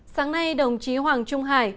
sáng nay đồng chí hoàng trung hải